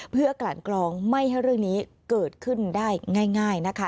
เพื่อกลั่นกลองไม่ให้เรื่องนี้เกิดขึ้นได้ง่ายนะคะ